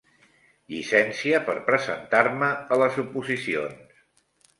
Llicència per presentar-me a les oposicions.